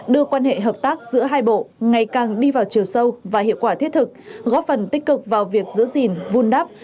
đưa quan hệ hợp tác giữa hai bộ ngày càng đi vào chiều sâu và hiệu quả thiết thực góp phần tích cực vào việc giữ gìn vun đắp